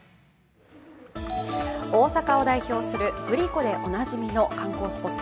大阪を代表するグリコでおなじみの観光スポット